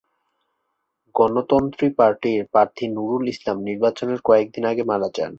গণতন্ত্রী পার্টির প্রার্থী নুরুল ইসলাম নির্বাচনের কয়েকদিন আগে মারা যান।